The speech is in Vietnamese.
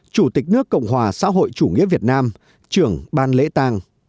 chủ tịch nước cộng hòa xã hội chủ nghĩa việt nam trưởng ban lễ tàng